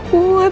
aku gak kuat